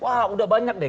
wah udah banyak deh